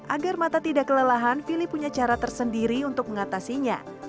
agar mata tidak kelelahan vili punya cara tersendiri untuk mengatasinya